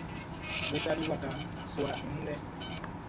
Be tali waka mun suaʼn i wun lɛ.